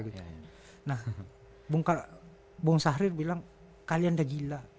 nah bung sahrir bilang kalian udah gila